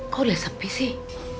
kok udah sepi sih